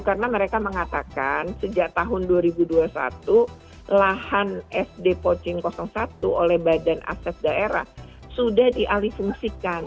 karena mereka mengatakan sejak tahun dua ribu dua puluh satu lahan sd pochin satu oleh badan aset daerah sudah dialihungsikan